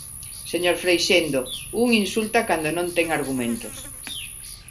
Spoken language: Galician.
Señor Freixendo, un insulta cando non ten argumentos.